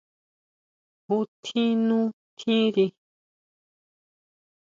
¿Jútjin nú tjiri?